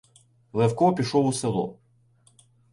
Левко пішов у село.